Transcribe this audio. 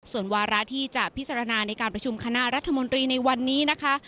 ส่วนวาระที่จะพิจารณาในการประชุมคณะรัฐมนตรีในวันนี้นะคะ